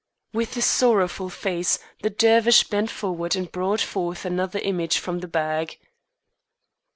With a sorrowful face the Dervish bent forward and brought forth another image from the bag.